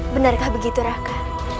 benarkah begitu raka